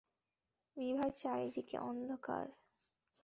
বিভার চারিদিকে অন্ধকার!